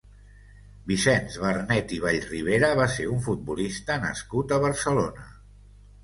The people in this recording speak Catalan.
Vicenç Barnet i Vallribera va ser un futbolista nascut a Barcelona.